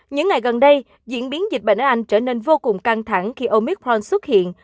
những ngày gần đây diễn biến dịch bệnh anh trở nên vô cùng căng thẳng khi omithon xuất hiện